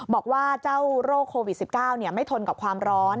บอกว่าเจ้าโรคโควิด๑๙ไม่ทนกับความร้อน